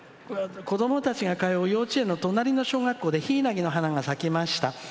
「子どもたちが通う幼稚園の隣の小学校で柊の花が咲きました。